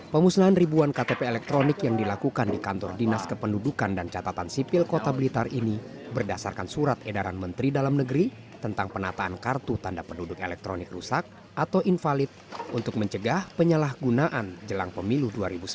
pemusnahan ribuan ktp elektronik yang dilakukan di kantor dinas kependudukan dan catatan sipil kota blitar ini berdasarkan surat edaran menteri dalam negeri tentang penataan kartu tanda penduduk elektronik rusak atau invalid untuk mencegah penyalahgunaan jelang pemilu dua ribu sembilan belas